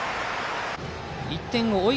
１点を追う